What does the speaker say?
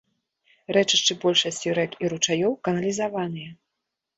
Рэчышчы большасці рэк і ручаёў каналізаваныя.